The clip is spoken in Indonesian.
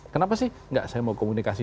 kenapa sih nggak saya mau komunikasi